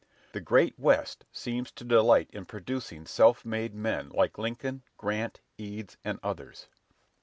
The "Great West" seems to delight in producing self made men like Lincoln, Grant, Eads, and others.